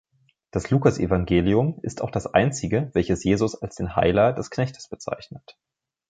Das Lukas-Evangelium ist auch das einzige, welches Jesus als den Heiler des Knechtes bezeichnet.